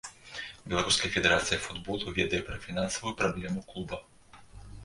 Беларуская федэрацыя футболу ведае пра фінансавую праблему клуба.